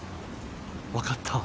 分かった。